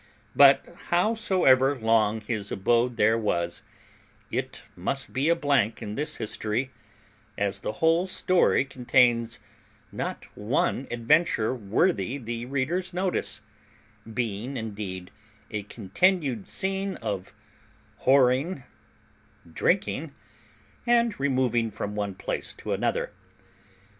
But howsoever long his abode there was, it must be a blank in this history, as the whole story contains not one adventure worthy the reader's notice; being indeed a continued scene of whoring, drinking, and removing from one place to another.